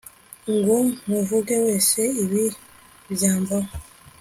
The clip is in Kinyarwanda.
ngo nkuvuge wese ibi by' imvaho